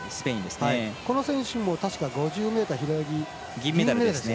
この選手も確か５０ｍ平泳ぎ銀メダルですね。